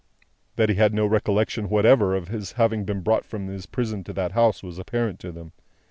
That he had no recollection whatever of his having been brought from his prison to that house, was apparent to them.